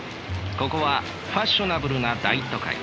ここはファッショナブルな大都会。